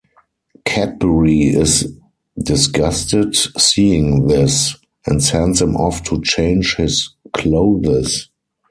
Cadbury is disgusted seeing this, and sends him off to change his clothes.